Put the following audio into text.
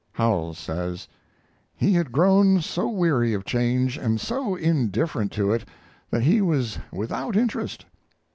Howells says: "He had grown so weary of change, and so indifferent to it, that he was without interest."